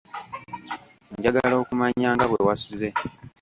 Njagala okumanya nga bwe wasuze.